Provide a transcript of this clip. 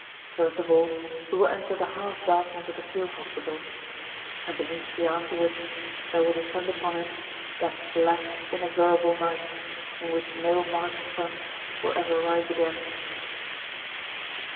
First of all he will enter the half darkness of the field hospital, and immediately afterwards there will descend upon him that black inexorable night, in which no March sun will ever rise again.